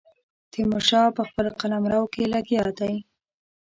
تیمور شاه په خپل قلمرو کې لګیا دی.